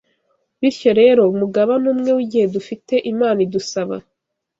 Bityo rero, umugabane umwe w’igihe dufite Imana idusaba